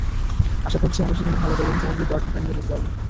আশা করছি, আমরা সেখানে ভালো করব এবং সহজেই কোয়ার্টার ফাইনালে যেতে পারব।